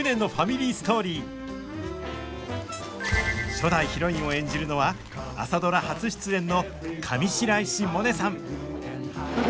初代ヒロインを演じるのは「朝ドラ」初出演の上白石萌音さん！